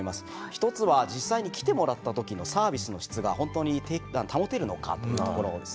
一つは実際に来てもらった時のサービスの質が本当に保てるのかというところですね。